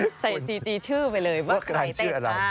ใส่ซีจีชื่อไปเลยว่าใครเต้นบ้าง